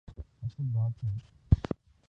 اصل بات ہے۔